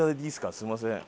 すいません。